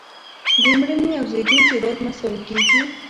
د مړینې او زیږون تعداد مساوي کیږي.